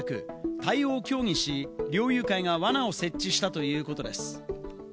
対応を協議し、猟友会がワナを設置したということです。